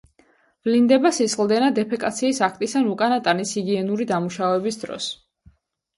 ვლინდება სისხლდენა დეფეკაციის აქტის ან უკანა ტანის ჰიგიენური დამუშავების დროს.